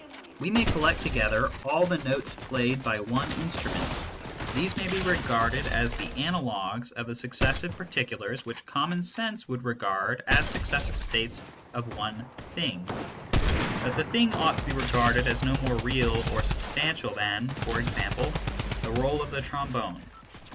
We may collect together all the notes played by one instrument : these may be regarded as the analogues of the successive particulars which common sense would regard as successive states of one " thing/ But the " thing " ought to be regarded as no more " real " or " substantial " than, for example, the role of the trombone.